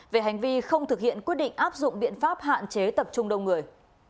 về hành vi không thực hiện quyết định áp dụng biện pháp hạn chế tập trung đông người